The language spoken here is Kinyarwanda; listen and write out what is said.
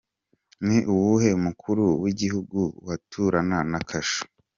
Ni uwuhe Mukuru w’Igihugu waturana na kasho.